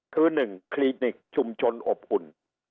คือนึ่งคลินิคชุมชนอบอุ่น